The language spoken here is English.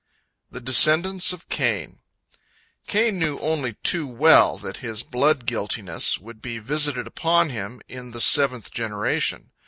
THE DESCENDANTS OF CAIN Cain knew only too well that his blood guiltiness would be visited upon him in the seventh generation.